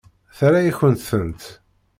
Terra-yakent-tent.